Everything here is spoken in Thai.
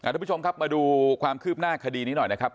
ทุกผู้ชมครับมาดูความคืบหน้าคดีนี้หน่อยนะครับ